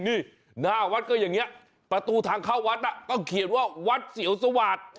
นี่หน้าวัดก็อย่างนี้ประตูทางเข้าวัดน่ะก็เขียนว่าวัดเสียวสวาส